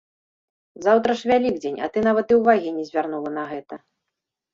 Заўтра ж вялікдзень, а ты нават і ўвагі не звярнула на гэта.